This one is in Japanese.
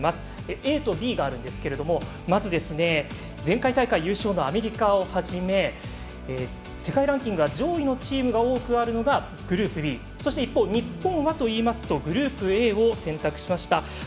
ＡとＢがあるんですが前回大会優勝のアメリカをはじめ世界ランキングが上位のチームが多くいるのがグループＢ、そして一方日本はといいますとグループＡを選択しました。